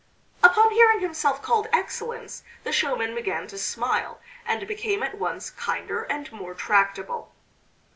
Upon hearing himself called Excellence the showman began to smile, and became at once kinder and more tractable.